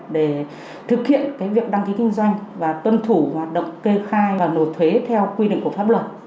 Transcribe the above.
để thực hiện việc đăng ký kinh doanh và tuân thủ hoạt động kê khai và nộp thuế theo quy định của pháp luật